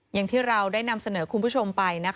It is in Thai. อย่างที่เราได้นำเสนอคุณผู้ชมไป